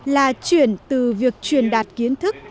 là chuyển từ việc truyền đạt kiến thức